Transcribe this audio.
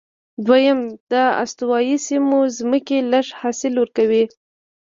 دویم، د استوایي سیمو ځمکې لږ حاصل ورکوي.